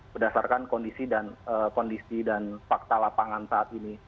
berdasarkan kondisi dan fakta lapangan saat ini